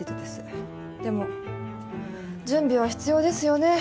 でも準備は必要ですよね。